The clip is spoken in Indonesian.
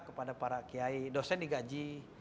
kepada para kiai dosen digaji